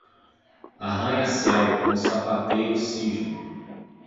Um arranha-céu, um sapateiro cisne!